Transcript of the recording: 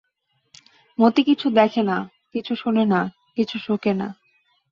মতি কিছু দেখে না, কিছু শোনে না, কিছু শোকে না।